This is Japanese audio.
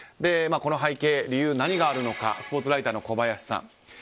この背景の理由、何があるのかスポーツライターの小林さん。